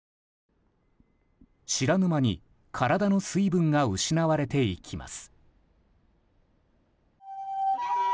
知らぬ間に体の水分が失われていきます。